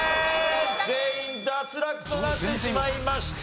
全員脱落となってしまいました。